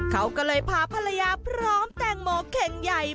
เขาก็เลยพาภรรยาพร้อมแตงโมเข่งใหญ่